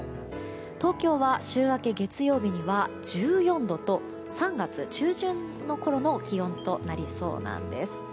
東京は週明け月曜日には１４度と３月中旬のころの気温となりそうなんです。